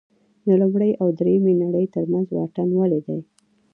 د لومړۍ او درېیمې نړۍ ترمنځ واټن ولې دی.